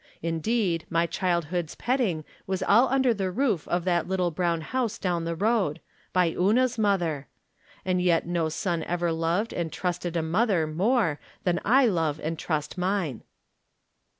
Indeed, my childhood's petting was all under the roof of that little brown house down the road — by Una's mother. And yet no son ever loved and trusted a mother more than I love and trust mine.